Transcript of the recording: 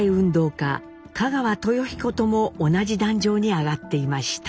賀川豊彦とも同じ壇上に上がっていました。